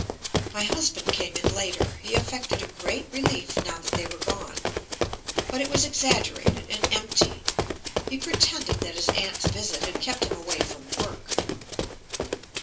My husband came in later. He affected a great relief now that they were gone, but it was exaggerated and empty. He pretended that his aunt's visit had kept him away from work.